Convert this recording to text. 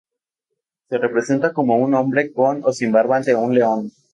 Se representa como un hombre con o sin barba ante un león.